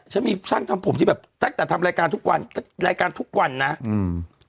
ช่างมีช่างทำผมที่แบบตั้งแต่ทำรายการทุกวันรายการทุกวันนะอืม